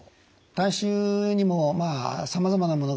体臭にもさまざまなものがあります。